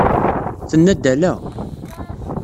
Tenna-d ala.